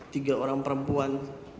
tiga orang perempuan